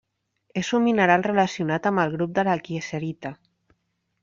És un mineral relacionat amb el grup de la kieserita.